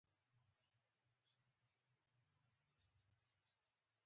پنځم لوست د فعل د جملې مهمه برخه په اړه دی.